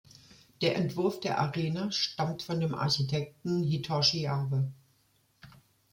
Der Entwurf der Arena stammt von dem Architekten Hitoshi Abe.